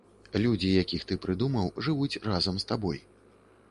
Людзі, якіх ты прыдумаў, жывуць разам з табой.